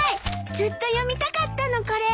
ずっと読みたかったのこれ。